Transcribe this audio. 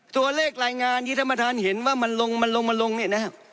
ตัวเลขรายงานที่ท่านประธานเห็นว่ามันลงนี่นะครับ